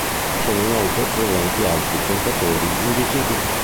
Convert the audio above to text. Sono inoltre presenti due altri contatori invisibili.